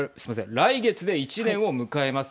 来月で１年を迎えます。